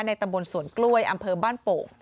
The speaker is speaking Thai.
ในตำรวจสวนกล้วยอำเภอบ้านโป่